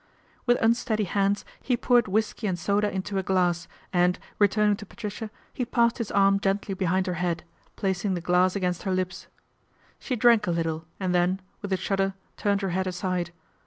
With unsteady hands, he poured whisky and soda into a glass and, returning to Patricia, he passed his arm gently behind her head, placing the glass against her lips. She drank a little and then, with a shudder, turned her head aside.